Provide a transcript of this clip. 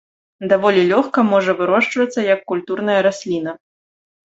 Даволі лёгка можа вырошчвацца як культурная расліна.